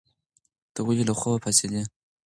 ته ولې له خوبه پاڅېدې؟